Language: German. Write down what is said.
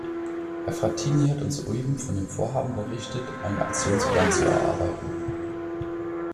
Herr Frattini hat uns soeben von dem Vorhaben unterrichtet, einen Aktionsplan zu erarbeiten.